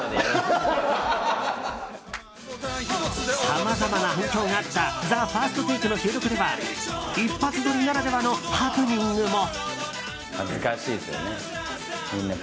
さまざまな反響があった「ＴＨＥＦＩＲＳＴＴＡＫＥ」の収録では一発撮りならではのハプニングも。